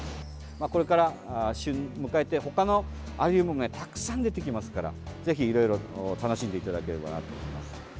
まあ、これから旬を迎えてほかのアリウムがたくさん出てきますからぜひ、いろいろと楽しんでいただければなと思います。